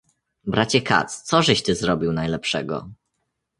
"bracie Katz, cóżeś ty zrobił najlepszego?..."